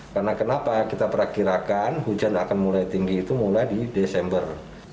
karena kenapa kita perakirakan hujan akan mulai tinggi itu mulai di desember